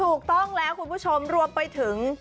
ถูกต้องแล้วคุณผู้ชมรวมไปถึง